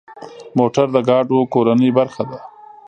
موټر د ګاډو کورنۍ برخه ده.